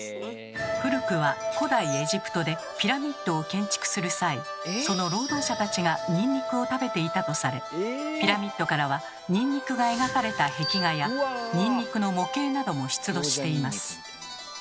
古くは古代エジプトでピラミッドを建築する際その労働者たちがニンニクを食べていたとされピラミッドからはニンニクが描かれた壁画やニンニクの模型なども出土しています。